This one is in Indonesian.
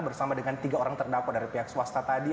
bersama dengan tiga orang terdakwa dari pihak swasta tadi